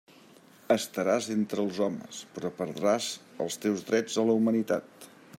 Estaràs entre els homes, però perdràs els teus drets a la humanitat.